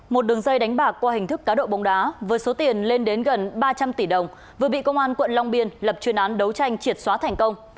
một đường dây đánh bạc qua hình thức cá độ bóng đá với số tiền lên đến gần ba trăm linh tỷ đồng vừa bị công an quận long biên lập chuyên án đấu tranh triệt xóa thành công